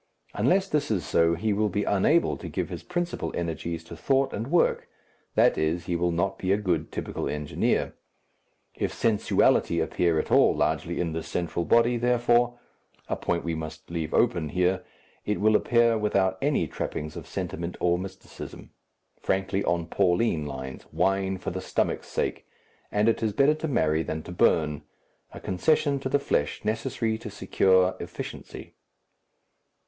Unless this is so, he will be unable to give his principal energies to thought and work that is, he will not be a good typical engineer. If sensuality appear at all largely in this central body, therefore, a point we must leave open here it will appear without any trappings of sentiment or mysticism, frankly on Pauline lines, wine for the stomach's sake, and it is better to marry than to burn, a concession to the flesh necessary to secure efficiency.